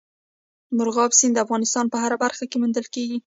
مورغاب سیند د افغانستان په هره برخه کې موندل کېږي.